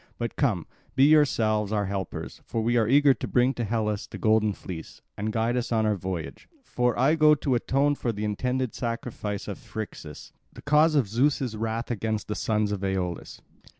But come, be yourselves our helpers, for we are eager to bring to Hellas the golden fleece, and guide us on our voyage, for I go to atone for the intended sacrifice of Phrixus, the cause of Zeus' wrath against the sons of Aeolus."